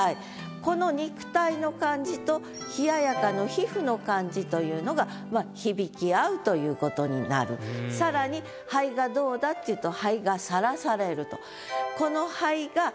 この肉体の感じと「冷ややか」の皮膚の感じというのがまあさらに肺がどうだっていうと肺が晒されると。